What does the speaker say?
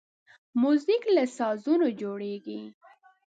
موزیک له سازونو جوړیږي.